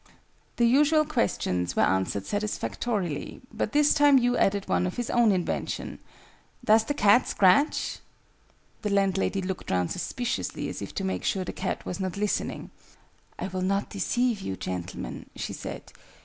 The usual questions were answered satisfactorily: but this time Hugh added one of his own invention "Does the cat scratch?" The landlady looked round suspiciously, as if to make sure the cat was not listening, "I will not deceive you, gentlemen," she said.